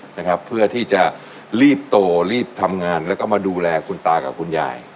นะครับเพื่อที่จะรีบโตรีบทำงานแล้วก็มาดูแลคุณตากับคุณยาย